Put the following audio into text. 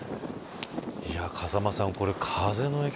風間さん、風の影響